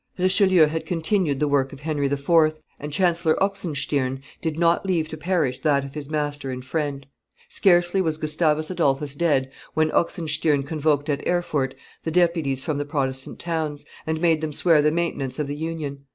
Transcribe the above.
Richelieu had continued the work of Henry IV.; and Chancellor Oxenstiern did not leave to perish that of his master and friend. Scarcely was Gustavus Adolphus dead when Oxenstiern convoked at Erfurt the deputies from the Protestant towns, and made them swear the maintenance of the union.